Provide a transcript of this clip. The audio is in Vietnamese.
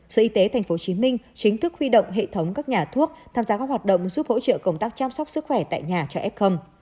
sở y tế tp hcm chính thức huy động hệ thống các nhà thuốc tham gia các hoạt động giúp hỗ trợ công tác chăm sóc sức khỏe tại nhà cho f